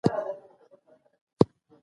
د امریکا کتابتونونه عصري لابراتوارونه لري.